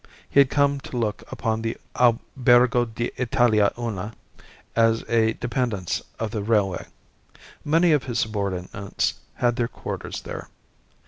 He had come to look upon the Albergo d'ltalia Una as a dependence of the railway. Many of his subordinates had their quarters there.